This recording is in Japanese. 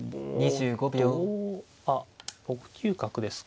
あっ６九角ですか。